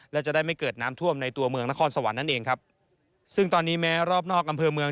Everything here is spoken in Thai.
และจะได้ไม่เกิดน้ำท่วมในตัวเมืองนครสวรรค์นั่นเองครับซึ่งตอนนี้แม้รอบนอกอำเภอเมือง